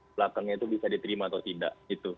belakangnya itu bisa diterima atau tidak